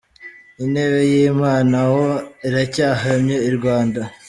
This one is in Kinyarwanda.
Intebe y’Imana aho iracyahamye i Rwanda?.